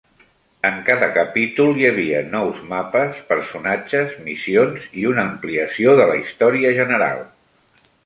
En cada capítol hi havia nous mapes, personatges, missions i una ampliació de la història general.